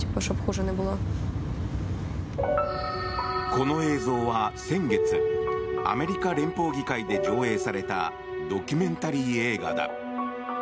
この映像は先月アメリカ連邦議会で上映されたドキュメンタリー映画だ。